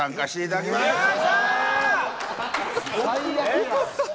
最悪や。